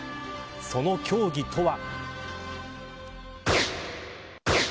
その競技とは。